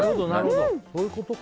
そういうことか。